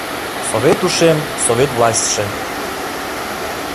Совет ушем, Совет властьше